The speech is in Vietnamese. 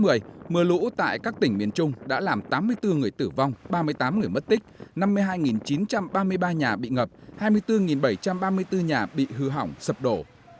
mưa lũ tại các tỉnh miền trung đã làm tám mươi bốn người tử vong ba mươi tám người mất tích năm mươi hai chín trăm ba mươi ba nhà bị ngập hai mươi bốn bảy trăm ba mươi bốn nhà bị hư hỏng sập đổ